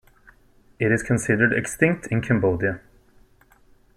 It is considered extinct in Cambodia.